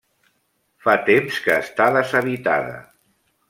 Fa temps que està deshabitada.